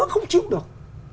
không chịu được